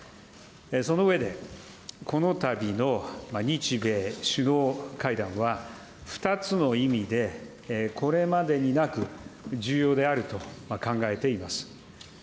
その上で、このたびの日米首脳会談は、２つの意味で、これまでになく重要であると考えています。